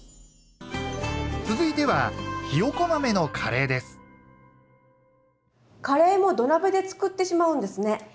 続いてはカレーも土鍋で作ってしまうんですね。